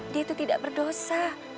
dia itu tidak berdosa